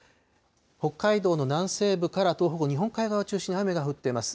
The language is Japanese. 北海道の南西部から東北の日本海側を中心に雨が降っています。